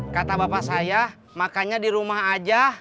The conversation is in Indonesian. kata bapak saya makanya di rumah aja